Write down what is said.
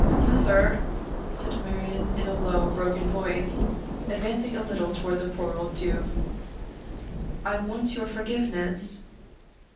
" Father," said Marion, in a low, broken voice, advancing a little toward the poor old dupe, " I want your forgive ness."